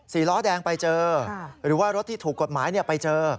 ล้อแดงไปเจอหรือว่ารถที่ถูกกฎหมายไปเจอ